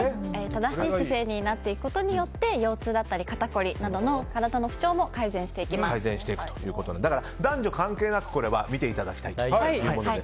正しい姿勢になっていくことによって腰痛だったり肩こりなどの体の不調もだから男女関係なく見ていただきたいということで。